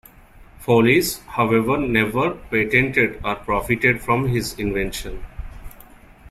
Foulis, however, never patented or profited from his invention.